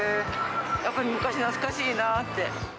やっぱり昔懐かしいなって。